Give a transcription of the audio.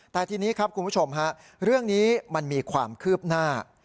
แต่ทีนี้ครับคุณผู้ชมฮะเรื่องนี้มันมีความคืบหน้า